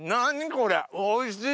これおいしい！